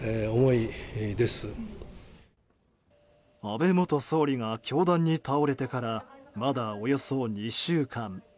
安倍元総理が凶弾に倒れてからまだおよそ２週間。